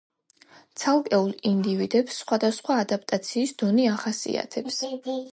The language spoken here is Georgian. ცალკეულ ინდივიდებს სხვადასხვა ადაპტაციის დონე ახასიათებს.